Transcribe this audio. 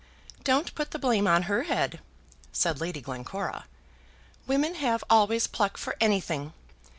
"Don't put the blame on her head," said Lady Glencora. "Women have always pluck for anything.